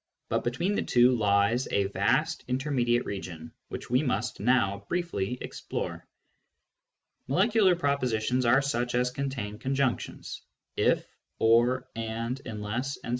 But between the two lies a vast intermediate region, which we must now briefly explore. " Molecular " propositions are such as contain conjunc tions — i/y ory andy unlessy etc.